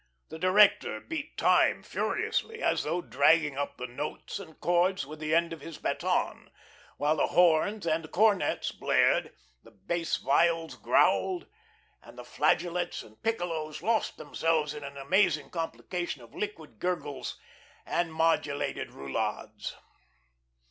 The director beat time furiously, as though dragging up the notes and chords with the end of his baton, while the horns and cornets blared, the bass viols growled, and the flageolets and piccolos lost themselves in an amazing complication of liquid gurgles and modulated roulades.